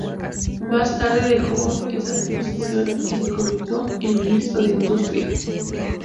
Más tarde, dejó esa posición y se convirtió en ministro de Industria.